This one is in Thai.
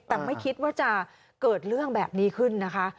แต่ไม่คิดว่าจะเกิดเรื่องแบบนี้ขึ้นนะคะ